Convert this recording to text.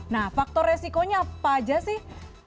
nah faktor resikonya apa aja sih